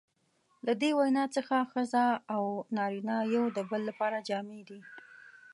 له دې وینا څخه ښځه او نارینه یو د بل لپاره جامې دي.